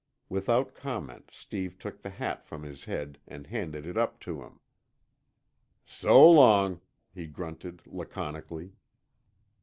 Without comment Steve took the hat from his head and handed it up to him. "So long," he grunted laconically.